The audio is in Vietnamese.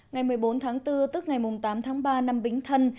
ngày một mươi bốn tháng bốn tức ngày tám tháng ba năm bính thân